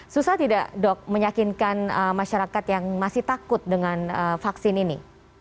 susah tidak dok meyakinkan masyarakat yang masih takut dengan vaksin ini